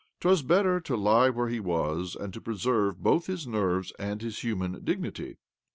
'Twas better to lie where he was and to preserve both his nerves and his human dignity.